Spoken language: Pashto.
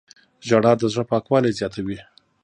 • ژړا د زړه پاکوالی زیاتوي.